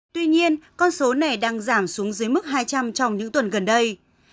tuy nhiên con số này đang giảm xuống dưới mức hai trăm linh trong những tuần gần đây